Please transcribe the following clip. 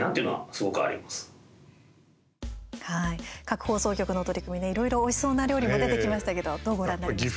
各放送局の取り組みでいろいろ、おいしそうな料理も出てきましたけどどうご覧になりましたか？